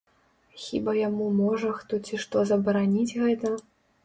Хіба яму можа хто ці што забараніць гэта?